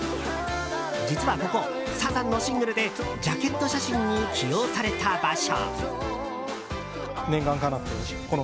実はここ、サザンのシングルでジャケット写真に起用された場所。